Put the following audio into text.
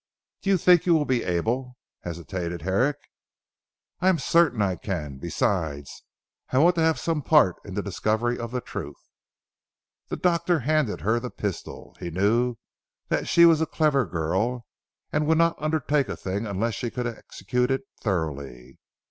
"Do you think you will be able?" hesitated Herrick. "I am certain I can. Besides I want to have some part in the discovery of the truth." The doctor handed her the pistol. He knew that she was a clever girl, and would not undertake a thing unless she could execute it thoroughly.